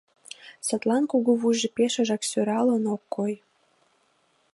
Садлан кугу вуйжо пешыжак сӧралын ок кой.